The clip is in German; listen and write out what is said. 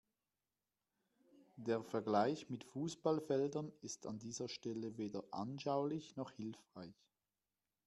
Der Vergleich mit Fußballfeldern ist an dieser Stelle weder anschaulich noch hilfreich.